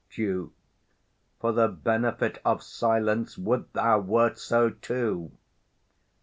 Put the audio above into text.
Duke. For the benefit of silence, would thou wert so too!